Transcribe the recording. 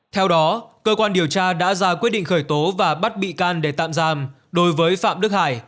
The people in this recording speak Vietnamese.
theo đó cơ quan điều tra đã ra quyết định khởi tố và bắt bị can để tạm giam đối với phạm đức hải